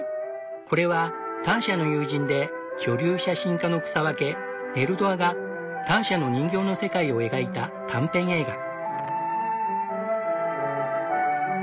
これはターシャの友人で女流写真家の草分けネル・ドアがターシャの人形の世界を描いた短編映画。